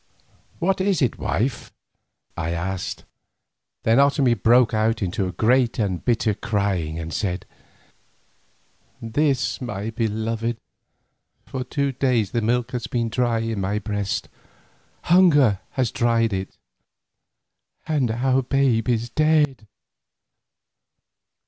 "What is it, wife?" I asked. Then Otomie broke out into a great and bitter crying and said: "This, my beloved: for two days the milk has been dry in my breast—hunger has dried it—and our babe is dead!